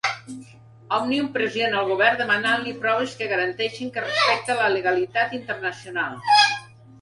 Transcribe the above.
Òmnium pressiona al govern demanant-li proves que garanteixin que respecta la legalitat internacional